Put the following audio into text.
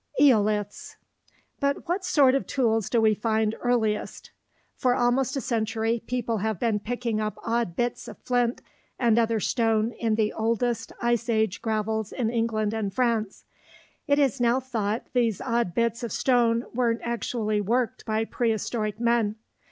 "EOLITHS" But what sort of tools do we find earliest? For almost a century, people have been picking up odd bits of flint and other stone in the oldest Ice Age gravels in England and France. It is now thought these odd bits of stone weren't actually worked by prehistoric men.